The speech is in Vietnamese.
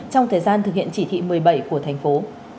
trong thời gian thực hiện chỉ thị một mươi bảy của thành phố